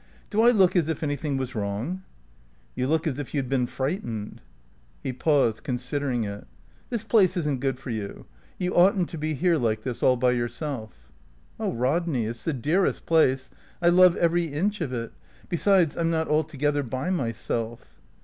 Do I look as if anything was wrong?" "You look as if you'd been frightened." He paused, considering it. "This place isn't good for you. You oughtn't to be here like this, all by yourself." "Oh! Rodney, it's the dearest place. I love every inch of it. Besides, I'm not altogether by myself."